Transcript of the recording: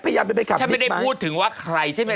พยายามได้ไปขับที่ไหม